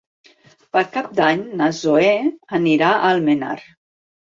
Per Cap d'Any na Zoè anirà a Almenar.